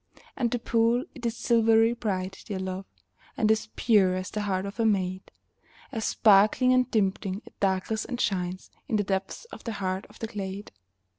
And the pool, it is silvery bright, dear love, And as pure as the heart of a maid, As sparkling and dimpling, it darkles and shines In the depths of the heart of the glade.